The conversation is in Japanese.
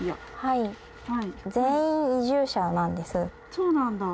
そうなんだ。